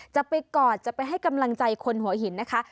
จะไปกอดจะไปให้กำลังใจคนหัวหินนะคะ